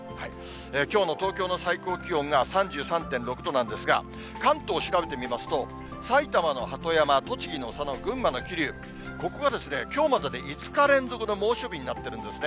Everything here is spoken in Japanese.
きょうの東京の最高気温が３３．６度なんですが、関東調べてみますと、埼玉の鳩山、栃木の佐野、群馬の桐生、ここがきょうまでで５日連続の猛暑日になってるんですね。